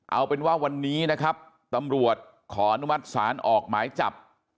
เอาเป็นว่าวันนี้นะครับตำรวจขออนุมัติศาลออกหมายจับ